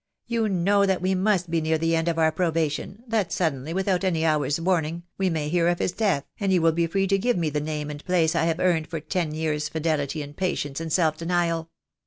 You know that we must be near the end of our probation, that suddenly, without an hour's warning, we may hear of his death, and you will be free to give me the name and place I have earned by ten years' fidelity, and patience, and self denial.